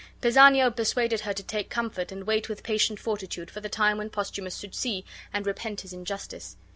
Pisanio persuaded her to take comfort and wait with patient fortitude for the time when Posthumus should see and repent his injustice.